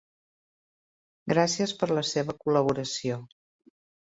Gràcies per la seva col·laboració.